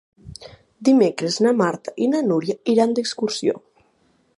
Dimecres na Marta i na Nura iran d'excursió.